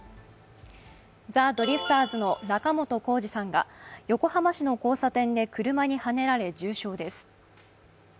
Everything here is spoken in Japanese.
ザ・ドリフターズの仲本工事さんが横浜市の交差点で車にはねられ重傷です。